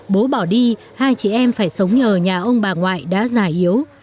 bố bỏ đi hai chị em phải sống nhờ nhà ông bà ngoại đã già yếu